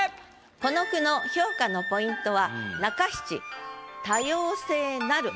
この句の評価のポイントは中七「多様性なる」